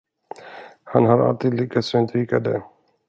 Han har alltid lyckats undvika det.